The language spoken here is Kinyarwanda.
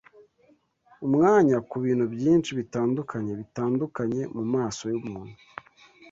umwanya Kubintu byinshi bitandukanye bitandukanye mumaso yumuntu: